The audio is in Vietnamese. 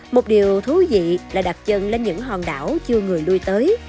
một điều thú vị là đặt chân lên những hòn đảo chưa người lui tới